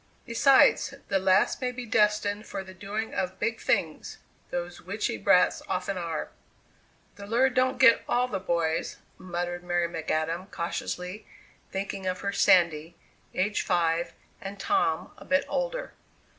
Besides, the lass may be destined for the doing of big things; those witchy brats often are." "The lure don't get all the boys," muttered Mary McAdam, cautiously thinking of her Sandy, aged five, and Tom, a bit older.